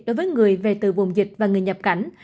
đối với người về từ vùng dịch và người nhập cảnh